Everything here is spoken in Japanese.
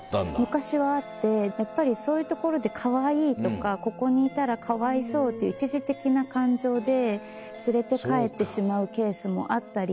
昔はあってやっぱりそういう所でかわいいとかここにいたらかわいそうっていう一時的な感情で連れて帰ってしまうケースもあったり。